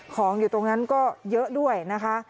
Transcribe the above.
ของอยู่ตรงนั้นก็เยอะด้วยนะคะ